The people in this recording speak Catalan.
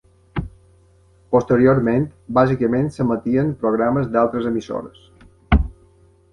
Posteriorment, bàsicament s'emetien programes d'altres emissores.